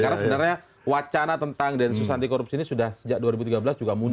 karena sebenarnya wacana tentang densus anti korupsi ini sudah sejak dua ribu tiga belas juga muncul